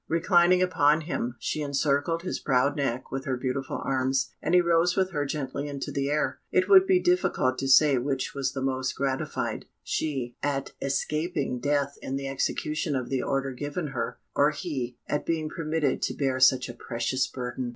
Reclining upon him, she encircled his proud neck with her beautiful arms, and he rose with her gently into the air. It would be difficult to say which was the most gratified she, at escaping death in the execution of the order given her, or he, at being permitted to bear such a precious burden.